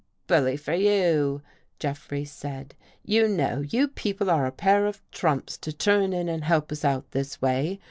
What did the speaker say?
" Bully for you," Jeffrey said. " You know, you people are a pair of trumps to turn in and help us out this way.